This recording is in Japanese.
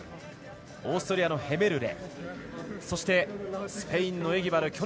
オーストリアのヘメルレそして、スペインのエギバル。